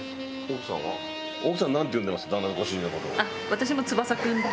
私も「翼君」と。